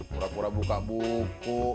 pura pura buka buku